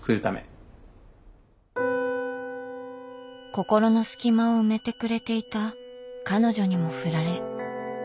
心の隙間を埋めてくれていた彼女にもふられ。